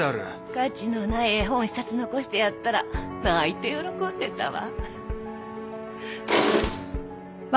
価値のない絵本一冊残してやったら泣いて喜んでたわ。